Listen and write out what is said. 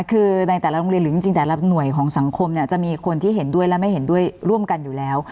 คือในแต่ละโรงเรียนหรือจริงแต่ละหน่วยของสังคมเนี่ยจะมีคนที่เห็นด้วยและไม่เห็นด้วยร่วมกันอยู่แล้ว